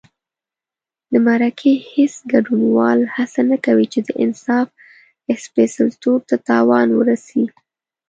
د مرکې هېڅ ګډونوال هڅه نه کوي چې د انصاف سپېڅلتوب ته تاوان ورسي.